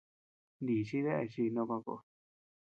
Nichi dae chi no baʼa ko.